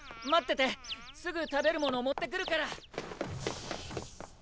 待っててすぐ食べる物を持ってくるから。